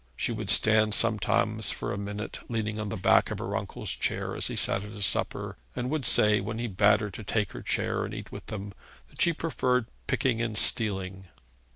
She would stand sometimes for a minute leaning on the back of her uncle's chair as he sat at his supper, and would say, when he bade her to take her chair and eat with them, that she preferred picking and stealing.